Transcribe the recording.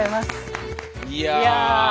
いや。